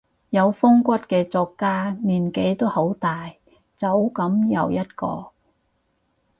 有風骨嘅作家年紀都好大，走噉又一個